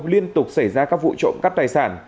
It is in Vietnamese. liên tục xảy ra các vụ trộm cắp tài sản